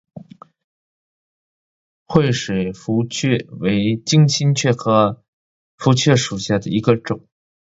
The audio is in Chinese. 惠水茯蕨为金星蕨科茯蕨属下的一个种。